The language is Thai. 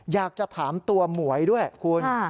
อยากจะถามตัวหมวยด้วยคุณ